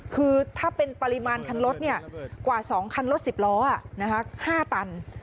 คือถ้าเป็นปริมาณคันลดกว่าสองคันลดสิบล้อห้าตัน